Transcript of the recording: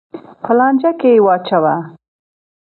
په لانجه کې یې واچوه.